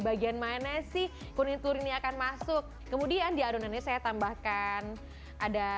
bagian mana sih kuning telur ini akan masuk kemudian di adonannya saya tambahkan ada